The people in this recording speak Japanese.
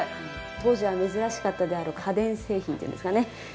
当時は珍しかったであろう家電製品っていうんですかね